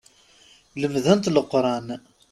Lemdent Leqran.